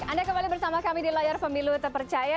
anda kembali bersama kami di layar pemilu terpercaya